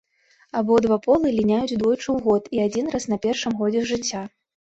Абодва полы ліняюць двойчы ў год і адзін раз на першым годзе жыцця.